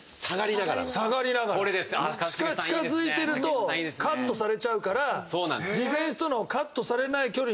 長嶋：近付いてるとカットされちゃうからディフェンスとのカットされない距離に。